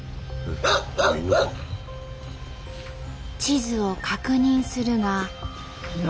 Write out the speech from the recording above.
地図を確認するが。